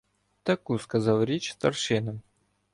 Таку сказав річ старшинам: